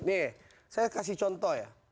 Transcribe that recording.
nih saya kasih contoh ya